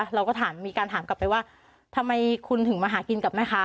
เราก็ถามมีการถามกลับไปว่าทำไมคุณถึงมาหากินกับแม่ค้า